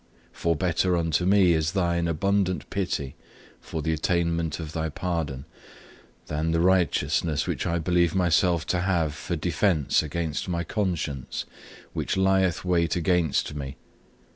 For better unto me is Thine abundant pity for the attainment of Thy pardon, than the righteousness which I believe myself to have for defence against my conscience, which lieth wait against me.